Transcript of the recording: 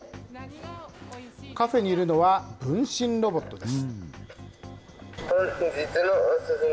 カフェにいるのは分身ロボットです。